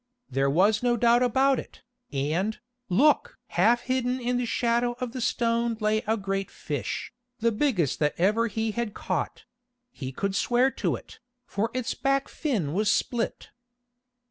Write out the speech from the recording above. There was no doubt about it, and, look! half hidden in the shadow of the stone lay a great fish, the biggest that ever he had caught—he could swear to it, for its back fin was split.